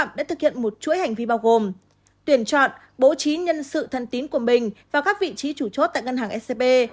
đã thực hiện một chuỗi hành vi bao gồm tuyển chọn bố trí nhân sự thân tín của mình vào các vị trí chủ chốt tại ngân hàng scb